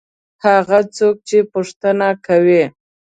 هغه څوک چې پوښتنه کوي.